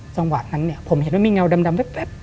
จังหวะนั้นเนี่ยผมเห็นว่ามีเงาดำแว๊บ